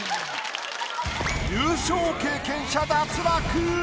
優勝経験者脱落！